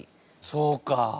そうか。